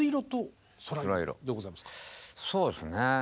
そうですね